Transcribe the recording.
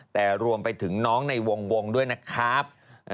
แต่รวมไปถึงน้องในวงด้วยนะครับ